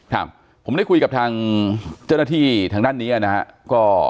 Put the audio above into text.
ครับผมได้คุยกับทางเจ้าหน้าที่ทางด้านนี้นะครับ